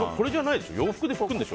洋服で拭くんでしょ。